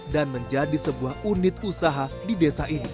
dan menjadi sebuah unit usaha di desa ini